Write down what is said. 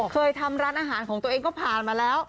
เคยทำร้านอาหารของตัวเองก็ผ่านมาแล้ว